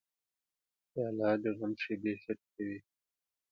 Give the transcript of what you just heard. پیاله د غم شېبې شریکوي.